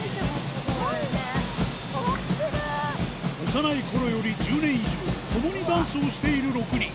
幼いころより１０年以上、共にダンスをしている６人。